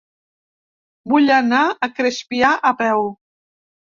Vull anar a Crespià a peu.